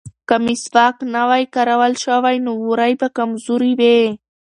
که مسواک نه وای کارول شوی نو وورۍ به کمزورې وې.